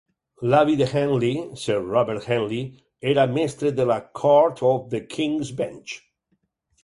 L'avi de Henley, Sir Robert Henley, era mestre de la Court of the King's Bench.